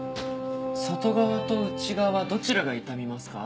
外側と内側どちらが痛みますか？